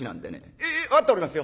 ええ分かっておりますよ。